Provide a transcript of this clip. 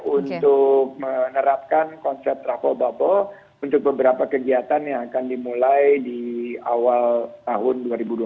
untuk menerapkan konsep travel bubble untuk beberapa kegiatan yang akan dimulai di awal tahun dua ribu dua puluh